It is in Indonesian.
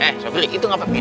eh sobrik itu ngapain